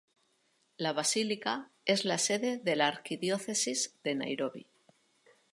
La basílica es la sede de la Arquidiócesis de Nairobi.